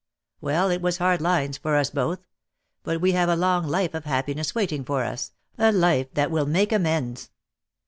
Well, it was hard lines for us both; but we have a long life of happiness waiting for us, a life that will make amends.